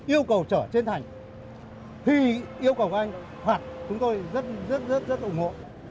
yêu cầu trở trên thành thì yêu cầu anh hoặc chúng tôi rất rất rất ủng hộ